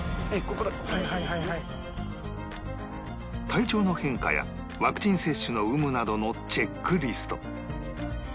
体調の変化やワクチン接種の有無などのチェックリスト